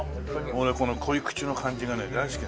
俺この濃口の感じがね大好きなの。